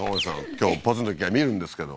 今日ポツンと一軒家見るんですけど